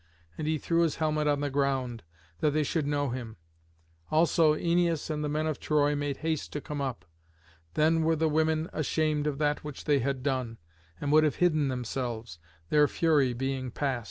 And he threw his helmet on the ground, that they should know him. Also Æneas and the men of Troy made haste to come up. Then were the women ashamed of that which they had done, and would have hidden themselves, their fury being past.